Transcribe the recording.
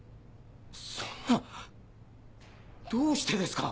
そんなどうしてですか！